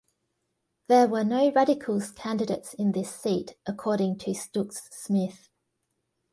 There were no Radicals candidates in this seat, according to Stooks Smith.